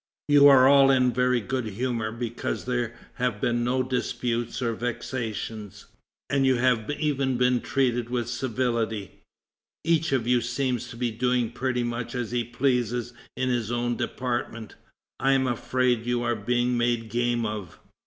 "You are all in very good humor because there have been no disputes or vexations, and you have even been treated with civility; each of you seems to be doing pretty much as he pleases in his own department. I am afraid you are being made game of."